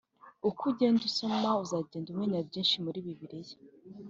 Uko ugenda usoma uzagenda umenya byinshi muri Bibiliya